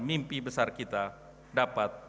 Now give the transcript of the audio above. mimpi besar kita dapat